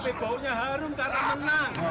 tapi baunya harum karena menang